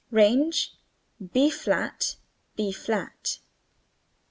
Range BB flat b flat'.